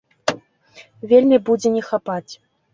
Вельмі будзе не хапаць.